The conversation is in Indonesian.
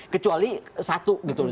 kecuali satu gitu